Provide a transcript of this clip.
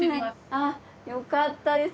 あっよかったです。